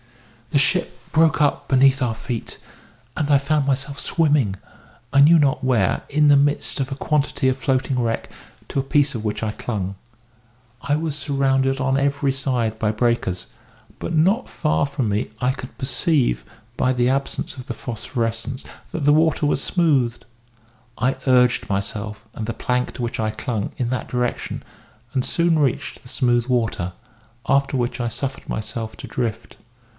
"The ship broke up beneath our feet, and I found myself swimming, I knew not where, in the midst of a quantity of floating wreck, to a piece of which I clung. I was surrounded on every side by breakers; but not far from me I could perceive, by the absence of the phosphorescence, that the water was smooth. I urged myself, and the plank to which I clung, in that direction, and soon reached the smooth water; after which I suffered myself to drift.